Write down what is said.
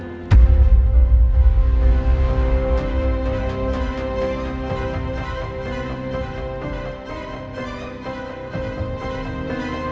ada yang lagi punya masalah nisa watt